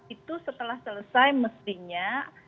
itu setelah selesai mestinya